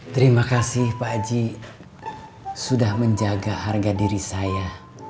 terima kasih pak haji sudah menjaga harga diri saya